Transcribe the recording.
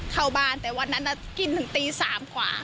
เข้าบ้านแต่วันนั้นกินถึงตี๓กว่า